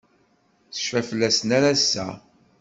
Tecfa fell-asen ar ass-a.